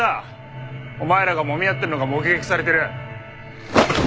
お前らがもみ合ってるのが目撃されてる。